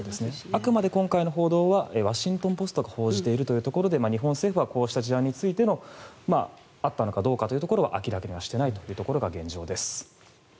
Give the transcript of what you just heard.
あくまで今回の報道はワシントン・ポストが報じているというところで日本政府はこうした事案についてあったのかどうかというところは明らかにはしていないというところが現状です。